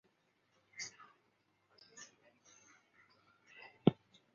洛伊希是奥地利下奥地利州圣帕尔滕兰县的一个市镇。